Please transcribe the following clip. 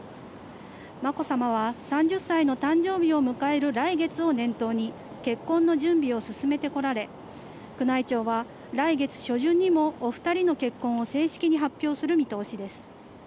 まこさまは３０歳の誕生日を迎える来月を念頭に、結婚の準備を進めてこられ、宮内庁は来月初旬にもお２人の結婚を正式に発表する見通しです。